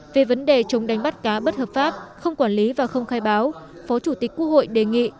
về vấn đề chống đánh bắt cá bất hợp pháp không quản lý và không khai báo phó chủ tịch quốc hội đề nghị